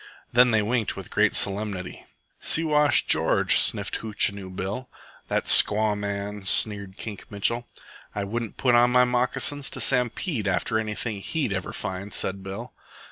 Then they winked with great solemnity. "Siwash George," sniffed Hootchinoo Bill. "That squaw man," sneered Kink Mitchell. "I wouldn't put on my moccasins to stampede after anything he'd ever find," said Bill.